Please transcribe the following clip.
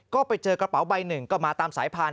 ก็ไปเจอกระเป๋าใบหนึ่งก็มาตามสายพาน